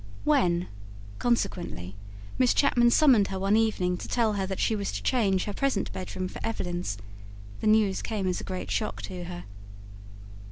When, consequently, Miss Chapman summoned her one evening to tell her that she was to change her present bedroom for Evelyn's, the news came as a great shock to her.